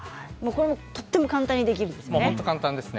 とても簡単にできるんですね。